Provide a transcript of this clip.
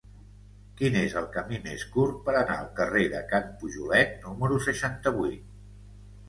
Quin és el camí més curt per anar al carrer de Can Pujolet número seixanta-vuit?